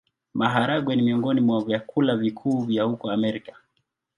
Maharagwe ni miongoni mwa vyakula vikuu vya huko Amerika.